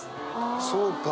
そうか！